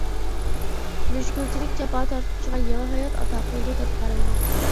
مۈشكۈلچىلىك جاپا تارتقۇچىغا يېڭى ھايات ئاتا قىلىدۇ، دەپ قارايدۇ.